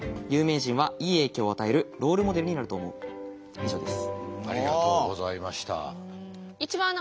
以上です。